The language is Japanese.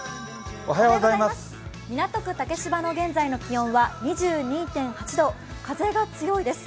港区竹芝の現在の気温は２２．８度、風が強いです。